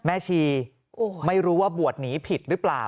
ชีไม่รู้ว่าบวชหนีผิดหรือเปล่า